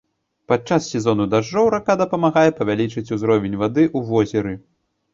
Падчас сезону дажджоў рака дапамагае павялічыць узровень вады ў возеры.